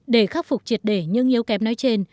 để khắc phục triệt để như nghiếu kép nói trên